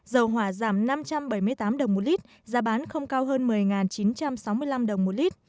dầu hỏa giảm năm trăm bảy mươi tám đồng một lít giá bán không cao hơn một mươi chín trăm sáu mươi năm đồng một lít